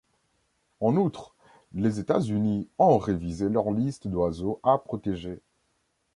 En outre les États-Unis ont révisé leur liste d’oiseaux à protéger.